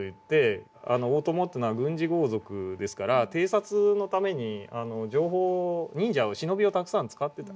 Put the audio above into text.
大伴というのは軍事豪族ですから偵察のために情報を忍者を忍びをたくさん使ってた。